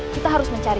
kita harus berhenti